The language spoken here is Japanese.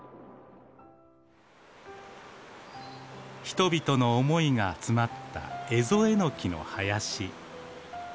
人々の思いが詰まったエゾエノキの林。